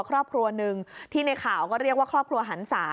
ครอบครัวหนึ่งที่ในข่าวก็เรียกว่าครอบครัวหันศา